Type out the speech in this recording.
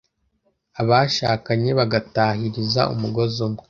abashakanye bagatahiriza umugozi umwe